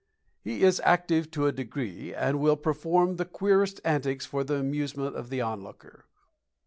He is active to a degree, and will perform the queerest antics for the amusement of the onlooker.